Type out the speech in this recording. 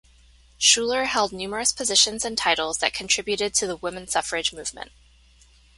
Shuler held numerous positions and titles that contributed to the woman suffrage movement.